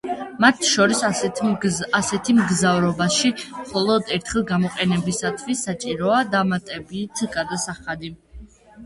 მათ შორის, ასეთი მგზავრობაში მხოლოდ ერთხელ გამოყენებისათვის საჭიროა დამატებითი გადასახადი.